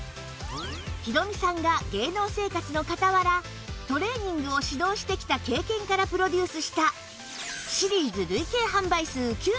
ヒロミさんが芸能生活の傍らトレーニングを指導してきた経験からプロデュースしたシリーズ累計販売数９７万